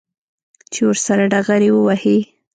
چې ورسره ډغرې ووهي.